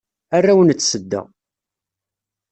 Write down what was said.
Arraw n tsedda.